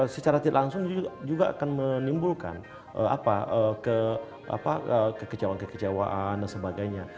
secara langsung juga akan menimbulkan kekecewaan dan sebagainya